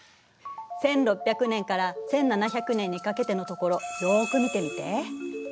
１６００年から１７００年にかけてのところよく見てみて。